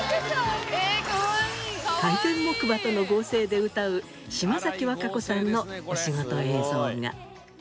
回転木馬との合成で歌う島崎和歌子さんのお仕事映像が。